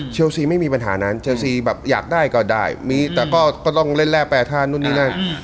ซีไม่มีปัญหานั้นเชลซีแบบอยากได้ก็ได้มีแต่ก็ต้องเล่นแร่แปรทานนู่นนี่นั่น